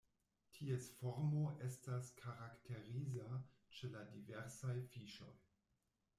Ties formo estas karakteriza ĉe la diversaj fiŝoj.